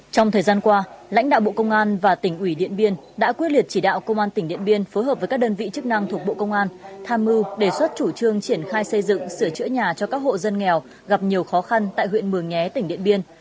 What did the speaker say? trong thời gian qua lãnh đạo bộ công an và tỉnh ủy điện biên đã quyết liệt chỉ đạo công an tỉnh điện biên phối hợp với các đơn vị chức năng thuộc bộ công an tham mưu đề xuất chủ trương triển khai xây dựng sửa chữa nhà cho các hộ dân nghèo gặp nhiều khó khăn tại huyện mường nhé tỉnh điện biên